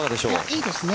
いいですね。